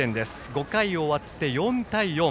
５回を終わって４対４。